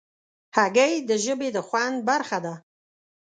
هګۍ د ژبې د خوند برخه ده.